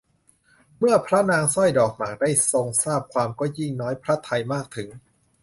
เมื่อพระนางสร้อยดอกหมากได้ทรงทราบความก็ยิ่งน้อยพระทัยมากถึง